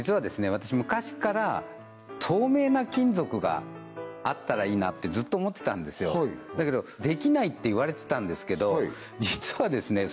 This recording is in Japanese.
私昔から透明な金属があったらいいなってずっと思ってたんですよだけどできないっていわれてたんですけど実はですね